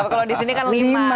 kalau di sini kan lima